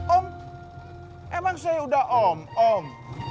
om emang saya udah om om